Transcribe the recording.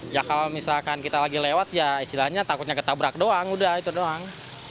ya kalau misalkan kita lagi lewat ya istilahnya takutnya ketabrak doang udah itu doang